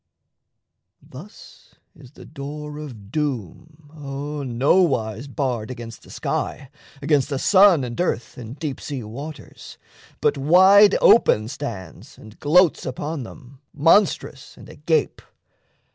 Thus is the door of doom, O nowise barred Against the sky, against the sun and earth And deep sea waters, but wide open stands And gloats upon them, monstrous and agape.